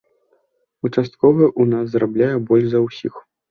Участковы ў нас зарабляе больш за ўсіх.